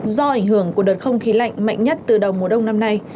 do ảnh hưởng của đợt không khí lạnh mạnh nhất từ đầu mùa đông năm nay